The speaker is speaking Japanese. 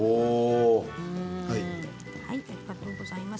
ありがとうございます。